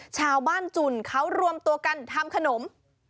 ชาวบ้านจุ่นเขารวมตัวกันทำขนม